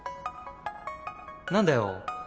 何だよ？